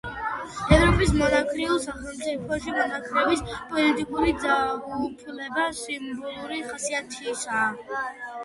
ევროპის მონარქიულ სახელმწიფოებში მონარქების პოლიტიკური ძალაუფლება სიმბოლური ხასიათისაა.